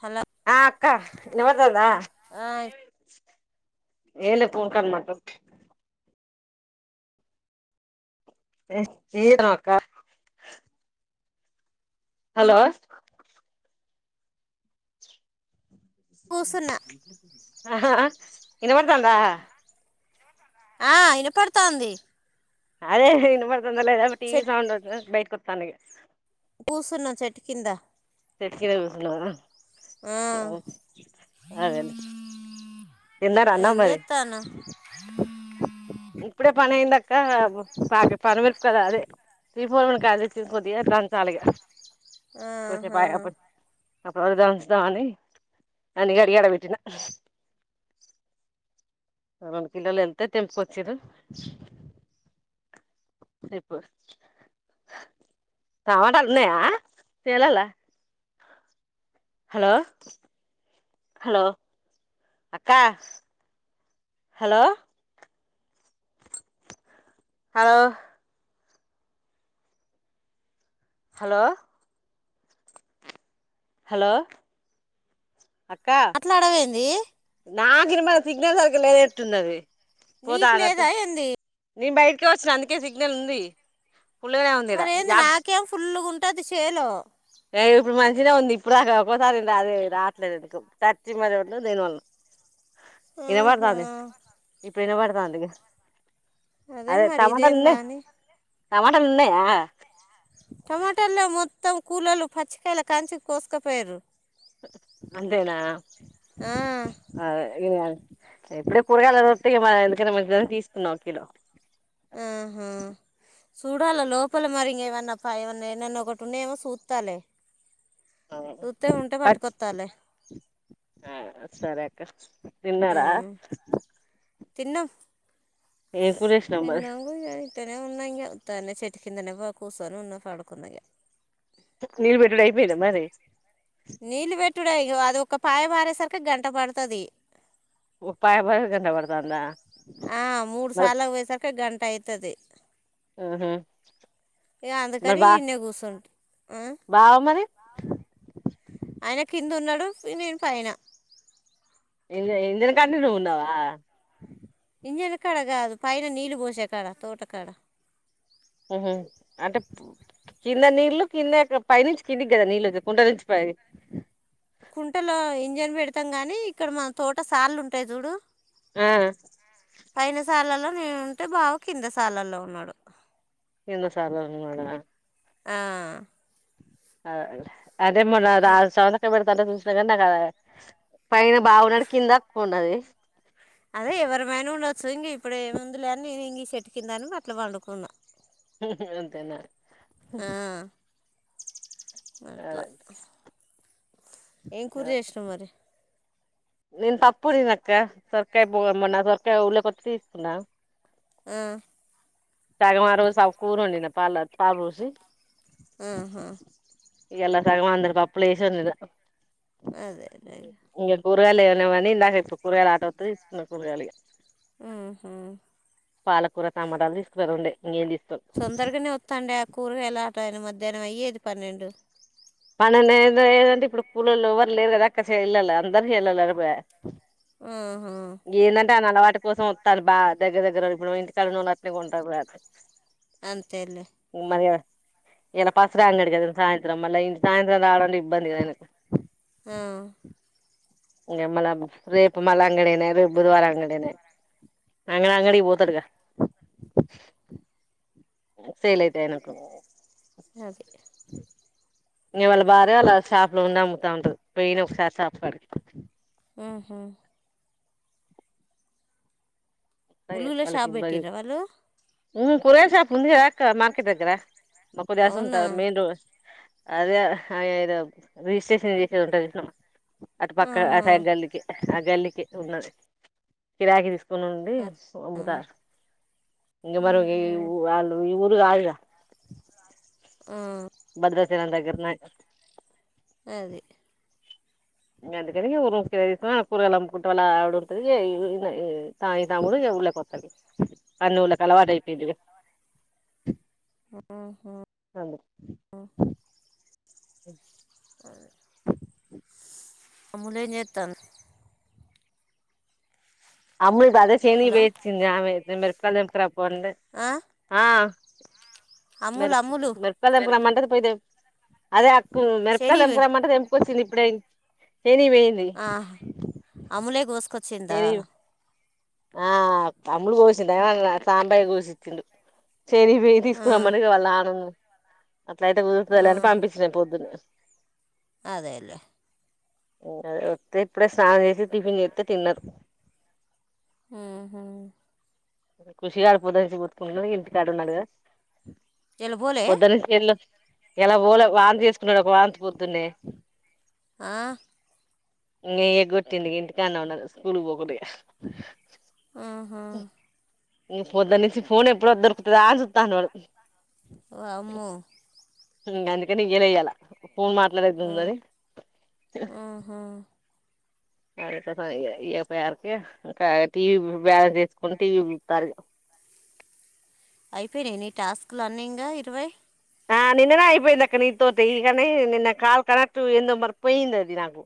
హల క్క ఇగ ఆయ్ ఏలి ఫూన్ కన్ మా చీర అక్క హలో కూసున్నా అహ హ ఇనవడతాందా ఆ ఇనపడతాంది అదేలె ఇనబడ్ రొండ్రాల గాబటి సౌండ్ అతదా బైట్ కత్ సనగ కూర్సున్నా చెట్టు కింద సెట్ట్ కింద కూసున్నావ్ గదా ఆ ఓ అదేలె తిన్నార అన్నం ఏం మరి చేత్తాన్నవ్ కా బు పాగ్ పండుమిరుపుకాయలు అదే త్రీ ఫోర్ వంకాయల్ దెచ్చి కొద్దిగా దంచాలిగ, ఆహా అప్పుడప్పు దంచుద్ద్సా అని అన్నీ కడిగి ఆడ వెట్టినా రెండు కిలోలులెంత తెంపుకొచ్చిర్రు ఇప్పు టమాటాలు ఉన్నయా చేేలల్లో, హలో హలో అక్క హలో, హలో హలో హలో అట్లా అడవేంది నాకినబడు సిగ్నల్ సరిగ లేనెట్టున్నది నీకు లేదా ఎంది నేను బయటికే వచ్చిన అందుకే సిగ్నల్ ఉంది పుల్లుగనే వుంది ఈడ టచ్చి సేలో ఏ ఇప్పుడు మంచినే ఉంది. ఇప్పుడు దాక ఒక్కోసారి నాది రాట్లేదు ఎందుకో టచ్చి మరివట్లో దేనివల్నో. ఆహా ఇనవడుతాంది పినబడుతాందిగా అదే మరి టమాటలుల్లే ఇదేందా అని టమాటలు ఉన్నాయా టమాటల్లెవ్ మొత్తం కూలొల్లు పచ్చికాయల కలిసి కోసుకపోయ్యర్రూ అంతేనా ఆ ఇప్పుడే కూరగాయలవి వత్తె ఎందుకన్న మంచిదని తీసుకున్నా ఒక కిలో చూడాలా లోపల మరింగ ఏమన్నా పా ఏమన్నా ఏన్నన్నా ఒకటి ఉందేమో చూత్తారులే ఆ సరే క తిన్నారా తిన్నం ఏపురేష్ నంబర్ ఉత్తనే ఉన్నా ఇంగ త్తనే చెట్టు కిందనే బ కూసోని ఉన్న పడుకున్నా ఇగ నీలు బెట్టుడు అయిపోయిందా మరి నీళ్లు పెట్టుడే అది ఒక పాయ పారేసరికి గంట పడుతది ఒ పాయ బారేకి గంట పడుతాందా ఆ మూడ్ సాల్లకు వోయెసరిక గంటై [unintelligible] మ్ హుమ్ మరి అందుకని బా ఈడనే కూర్చుంట ఆ బావ మరి ఆయన కింద ఉన్నాడు నేను పైన ఎళ్లి ఎళ్ళినకాడ నుంచి నువ్వు ఉన్నావా ఇంజన్ కాడ కాదు పైన నీళ్ళు పోసే కాడ తోటకాడ అంటే కింద నీళ్ళలు కింద పై నుంచి కిందికి కదా నీళ్ళు కుంట నుంచి పై కుంటలో ఇంజన్ పెడతాం గాని ఇక్కడ మన తోట సార్లు ఉంటాయి చూడు ఆ పైనా సా లలో నేనుంటే బావ కిందసాలల్లో ఉన్నాడు కిందసాలల్లో ఉన్నాడా ఆ అదెలె అదే మొన్న రా సవంతకాయ పెడతాంటె చూసిన ఏదన్నా కాదా పైన బావున్నాడు కింద అక్కున్నది సో ఇంక ఇప్పుడు ఏముంది లేని నేను ఇంక సెట్కిందాన్న అట్ల పండుకున్నా అంతే నా ఆ అట్లా ఏం కూర్ చేసినావు మరి నన్ పప్పుండి నాఅక్క ప [unintelligible] ఉన్నా ఆ తగమారు సబ్ కూర వండిన పల పాలు పోసి ఆహా ఇయాల సగం అందరికి అప్పులు ఏసి వదిలిన అదే కూరగాయలు ఎమ్ లేవని ఇందాక ఇప్పు కూరగాయలు ఆటో వత్తాది తీసుకున్న కూరగాయలు ఇగ ఉహు పాలకూర టమాటాలు తీసుకున్న రెండే ఇంగ ఎం తీస్ తొందరగానే వాతండే ఆ కూరగాయలు ఆటయినే మద్ ధ్యాహ్నం అయ్యేది పన్నెండు పననే ఏదో ఏదంటే ఇప్పుడు కూలోల్లు ఎవ్వరు లేరు గదా అక్క చేన్లల్ల అందరు చేనులలకు పాయె ఆ హా కాని అలవాటు కోసం వత్తారు బా దగ్గర దగ్గర ఇప్పుడు ఇంటికాడ ఉన అట్నే ఉంటారు అంతే లే ఎలా పస్ర అంగడికి అదం సాయంత్రం మళ ఇం సాయంత్రం రావాలంటే ఇబ్బంది కదా అయినా ఆ ఇంగా మల్ల రేపు మల్ల అంగడేనే రేపు బుధవారం అంగడేనే అంగడి అంగడికి పోతాడుగా సైల్ అయితే ఆయనకు అది ఇగా వాళ్ళ భార్య వాళ్ళ షాపు లో ఉండి అమ్ముతా ఉంటది పోయిన ఒకసారి షాప్ కాడికి ఉహు ఉలువుల షాప్ బెట్టిరా వాళ్ళు ఉ కూరగాయల షాప్ ఉంది గా అక్క మార్కెట్ దగ్గర మకు ధ్యాస్ ఉంట అవునా మెన్ రోడ్ అదే హ ఏదో రిజిస్ట్రేషన్ చేసేది ఉంటది చూసినవా అట్ పక్క ఆ ఆహా సైడ్ గల్లికి ఆ గల్లికి ఉన్నది కిరాయికి తీస్ కునుండి అట్లా. సోముతా ఇంగ మరు గి ఆహా ఊ వాళ్ళు ఈ ఊర్ ల ఆగిన ఆ భద్రాచలం దగ్గర్ ఉన్నాయి అది గందుకనే ఊరుము కేతా కూరగాయాలు అమ్ముకుంటున ఆడుంతది ఇన తాయి తాముడి ఇగ ఉల్లేకి వత్తాది అన్ని ఉల్లేకి అలవాటు అయ్యిపోయింది ఆహా సరే అ అ అమ్ములు ఎం చేతంది అమ్ములు అదే శని హలో వేచ్చింది ఆమె దిమ్ ర్ తాన్ఏత్రమ్ ఆ ఆ మీర్ అమ్ములు అమ్ములు మిరపకాయలకు తెంప రమ్మంటది పోయి దెంపు అదే అంత్ కు మిరప్కాయల్ శనివి దేప్కారమంటే దేం వచ్చింది ఇప్పుడై ఏని వేయింది వచ్చిండా ఆ అమ్ములు గోసిందా ఏమన్నా సాంబయ్య కోశిచిండు చేరి వెయ్యి ఆ, తీసుకురమ్మనది గా వాళ్ళ నాన్న ను అట్లైతే ఆ, కుదుర్తలే అని పంపించినా పొద్దునే అదేలే హు అది వంతే ఇప్పుడే స్నానం చేసి టిఫిన్ చేస్తే తిన్నర్ హు హు ఖుషిగాడు పొద్దానుచి కొట్టుకుటను ఇంటికాడున్నాడుగా ఇలా పోలే పొద్దాలిస్కేలోచ్ ఎలా పోలే వాంతి చేసుకున్నాడు ఒక వాంతి పొద్దున్నే ఆ నే గొట్టిండు ఇంగా ఇంటిగానే ఉన్నాగా స్కూల్ పోబుద్దుగా ఆహా ఇగా పొద్ధనుచి పొద్దు ఫోన్ ఎప్పుడో దొరుకుతదా అన్ చూస్తానడువాడు వామ్మో హు అందుకని ఇయ్యలే ఇయాలా ఫోన్ ఆ, మాట్లాడేదుందన్ని ఉహు. అరేఫా ఫైయా ఈ ఎఫ్ ఆర్కే ఇంకా టీవీ బాలన్స్ ఏసుకుండు టీవీ చూస్తారీగా అయిపోయినాయ నీ టాస్కులని ఇంగా ఇరవై ఆ నిన్ననే అయిపోయిందాక్క నీతోటి ఇగాని నిన్న కాల్ కనెక్ట్ ఏందో మరి పోయింది నాకు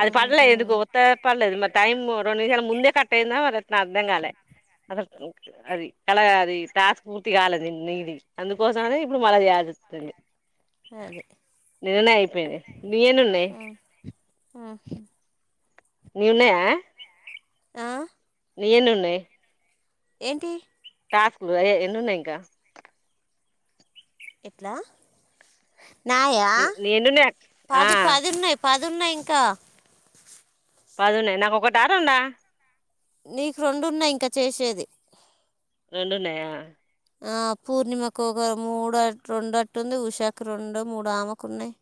అది పడలే ఉహు. ఎందుకో ఒత్తే పడలేద్ మర్ టైం రెండు నిమిషాల ముందే కట్ అయిందా. మరి ఎటనో అర్థం కాలే. అసల్ అది కల అది టాస్క్ పూర్తి కాలేదు నీది. అందుకోసం అని ఇప్పుడు మళ్ళా చేయాల్సొసుంది. అదే నిన్ననే అయిపోయింది నీనునే ఉ- ఉహు. నున్నాయా ఆ ఎందున్నాయ్ ఏంటి టాస్క్లు అదే ఏనున్నాయ్ ఇంకా ఎట్లా నాయ నీ ఎన్నున్నాయి ఆ పది పద్దున్నాయ్. పద్ నున్నాయి ఇంకా. పదున్నాయ్ నాకు ఒకటా రెండా. నీకు రెండున్నాయి ఇంకా చేశేది. రెండు ఉన్నాయా. ఆ పూర్ణిమకు ఒక మూడట్ రెండు అట్టు ఉంది. ఉషాకి రెండో మూడో ఆమెకున్నయి.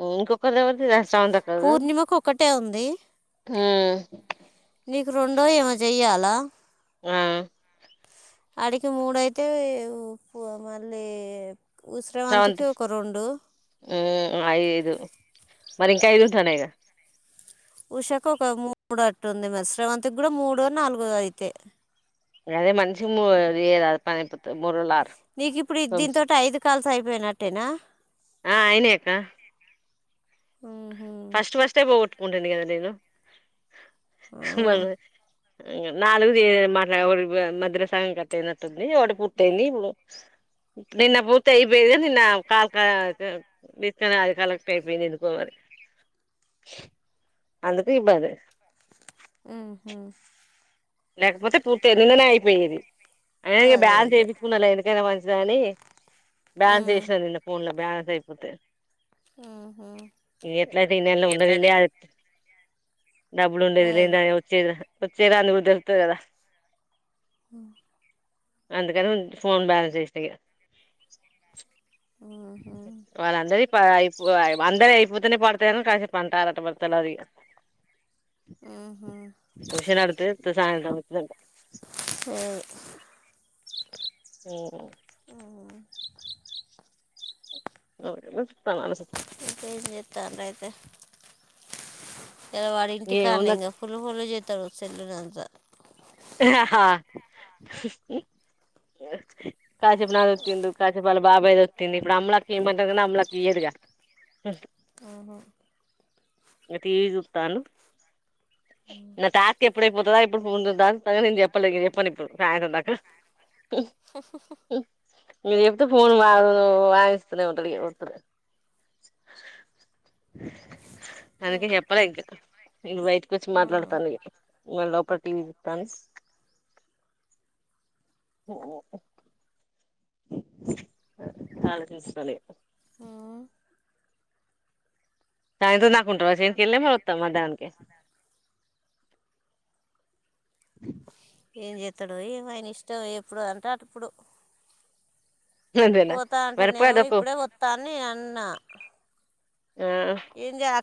ఓ ఇంకొ కొంతమంది ఆ సౌండ్ తక్కువ అవ్వదూ ట్టే ఉంది హా నీకు రెండో ఏమో జేయాలా [unintelligible] అడికి ముడైతే హుఫా మళ్ళీ హు శ్రవంతికి ఒక రెండు ఐదు మరి ఇంకా ఐదు ఉంటాన్నాయ్గా ఉషకు ఒక మూడ [inaudible] అట్టు ఉంది మరి. శ్రవంతికి గూడా మూడో నాలుగోద్ అయితే. అదే మనిషికి మూడు వేలు ఇయ్యరాదు పనైపోతది మూడు రోజులు ఆగ్ నీకు ఇప్పుడు దీని తోటి ఐదు కాల్స్ అయిపోయినట్. టేనా ఆ అయినయ్ అక్కా. మ్హూ. ఫస్ట్ ఫస్టే పోగొట్ టుంటిది గదా నేను. ఆ, మళ్ళ నాలుగుది ఏ మాట్లాడ [unintelligible] మద్దెల సగం కట్ట అయినట్టుందీ, ఒకటి పూర్తి అయింది ఇపుడు. నిన్న పూర్తి అయిపోయేది కాని నిన్నా కాల్ కా డిస్కనా అది కనెక్ట్ అయిపోయింది ఎందుకో మరి. అందుకు ఇబ్బందైంద్ ఆహా లేకపోతే పూర్తయ్యేది నిన్ననే అయిపొయ్యేది. అయినా నేన్ అదే బ్యాలెన్స్ ఇక ఏపిచ్చుకున్నా లేండి. కైనా మంచిదనీ. బాలెన్స్ మ్, ఏసినా నిన్న ఫొన్ లా బాలెన్ అద్ అయిపోతే. మ్హూ. ఎట్లయితే ఈ నెల ఉండనీలే అ డబ్బులు ఉండేది లేంద అది వచ్చేది అహ వచ్చేదాంది [unintelligible] త్త కదా హ అందుకని ఫోన్ బ్యాలెన్స్ ఏశినిగా. ఆహా పదైయిపోవాలే అందరీ అయిపోతనే పడతయని కాసేపు అంటారట ఇగ మరి తెల్వదిగ. ఉ ఊ సాంత వచ్చా ఏ ఓ అవును స్తాను ఇంకేం జేతంతి అయితే జర వాడినింటికానే ఏముంది ఫులిహోర జె తరుసినజ కాసేపు నాద్ ఒత్తిండు, కాసేపు వాళ్ళ బాబాయిది ఒత్తిండు, ఇప్పుడు అమ్ములక్క ఇయమనదనీ అమ్ములక్క ఇయ్యదుగా. టీవి చూస్తాండు, నా టాస్కు ఎప్పుడయిపోతదా ఎప్పుడు ఫోన్ చూద్దాం. నేను చెప్పలే ఇగ చెప్పను ఇప్పుడు. సాయంత్రం దాకా, నేను చెప్తే ఫోన్ వా వాయిస్తూనే ఉంటది ఇగ వద్దు. అందుకే అదే. చెప్పలే ఇంక. నేను బయటకి వచ్చి ఉమ్. మాట్లాడతాన ఇగ లోపల టీవీ వన్స్ కాలకేసుకొని ఉమ్. సాయాత్రం దాక ఉంటావ సేనుకెళ్లమో వత్తవా మద్దానం కీ ఏం చేస్తాడో ఏమో ఆయన ఇష్టం. ఎప్పుడు అంటే అటు అప్పుడు. అంతేనా పోతా అంటే నేను మర్చిపోవద్దు ఒప్పు ఇప్పుడే వస్తాన్ని నా ఆ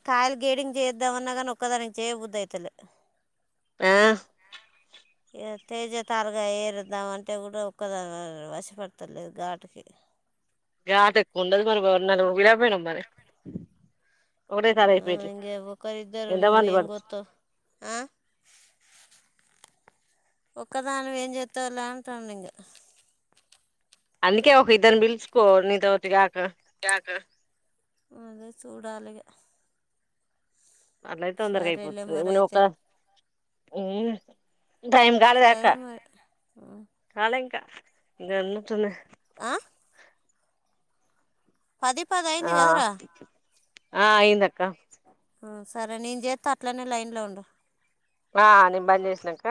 కాయలు గేడింగ్ చేయద్దామన్నా కానీ ఒక్కదాని చేయబుద్దు అయితులే మ్య తేజ తాలుగా ఏరుద్దామ అంటే కూడా ఒక్కద వశపడతలేదు ఘాటుకి గాటు ఎక్కువ ఉండదు మరి నలుగురిని పిలవకపోయినావా మరి ఒకటేసారి అయిపోయేటివి హ ఒక్కారుద్దరు నువ్వు ఎంతమంది ఏం పడు కొత్తవ్ ఆ ఒక్కదానివి ఏం చేస్తాలే అంటాం ఇంగా అందుకే ఒక ఇద్దరిని పిలుచుకో నీతోటి కాక అదే చూడాలి ఇగ అట్లయితే తొందరగా అయిపోతది మరి నువ్వు ఒక్క అయితే దాన్ మ్మ్ టైం కాలేదక్క సరే మరి కాలే ఇంకా గన్నుతున్నాయి ఆ పది ఆ పదయింది కదరా ఆ అయిందక్క సరే నేను చేత్త అట్లనే లైన్లో ఉండు ఆ నేను బంద్ చేసినంక